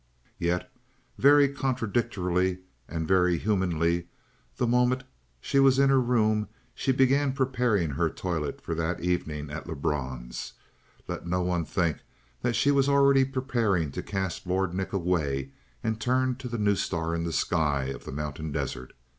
Yet, very contradictorily and very humanly, the moment she was in her room she began preparing her toilet for that evening at Lebrun's. Let no one think that she was already preparing to cast Lord Nick away and turn to the new star in the sky of the mountain desert.